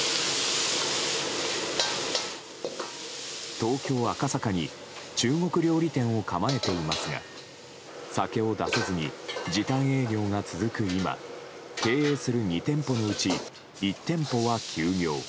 東京・赤坂に中国料理店を構えていますが酒を出せずに時短営業が続く今経営する２店舗のうち１店舗は休業。